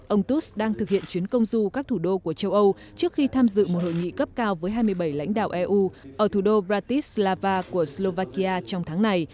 ông tuz đang thực hiện chuyến công du các thủ đô của châu âu trước khi tham dự một hội nghị cấp cao với hai mươi bảy lãnh đạo eu ở thủ đô bratislava của slovakia trong tháng này